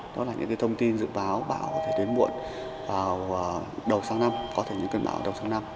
đó là những thông tin dự báo bão có thể đến muộn vào đầu sáng năm có thể những cơn bão vào đầu sáng năm